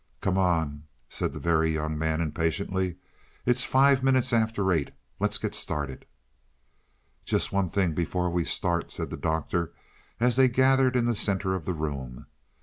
"Come on," said the Very Young Man impatiently. "It's five minutes after eight. Let's get started." "Just one thing before we start," said the Doctor, as they gathered in the center of the room.